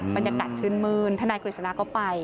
บรรยากาศชื่นมืนทนายกฤษณาก็ไป